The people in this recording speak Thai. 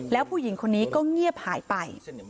แล้วผู้หญิงคนนี้ก็เงียบหายไป